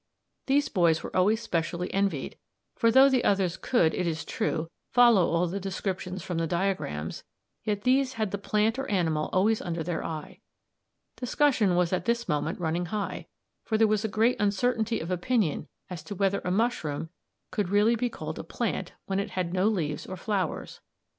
These boys were always specially envied, for though the others could, it is true, follow all the descriptions from the diagrams, yet these had the plant or animal always under their eye. Discussion was at this moment running high, for there was a great uncertainty of opinion as to whether a mushroom could be really called a plant when it had no leaves or flowers.